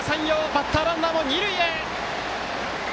バッターランナーも二塁へ。